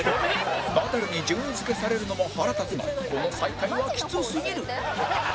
ナダルに順位付けされるのも腹立つがこの最下位はきつすぎる